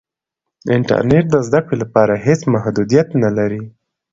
انټرنیټ د زده کړې لپاره هېڅ محدودیت نه لري.